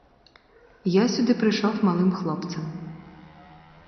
Я сюди прийшов малим хлопцем.